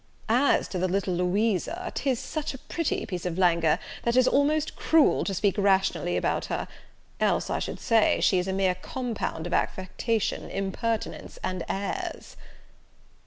As to the little Louisa, 'tis such a pretty piece of languor, that 'tis almost cruel to speak rationally about her, else I should say, she is a mere compound of affectation, impertinence, and airs."